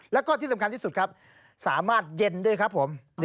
แล้วก็ที่สำคัญที่สุดครับสามารถเย็นด้วยครับผม